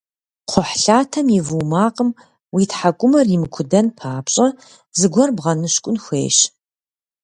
Кхъухьлъатэм и вуу макъым уи тхьэкӏумэхэр имыкудэн папщӏэ зыгуэр бгъэныщкӏун хуейщ.